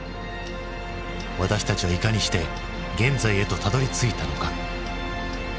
私たちはいかにして現在へとたどりついたのか？